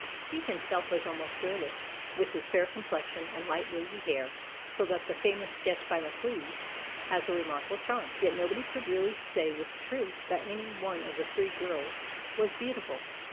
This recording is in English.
He himself was almost girlish, with his fair complexion and light, wavy hair, so that the famous sketch by Maclise has a remarkable charm; yet nobody could really say with truth that any one of the three girls was beautiful.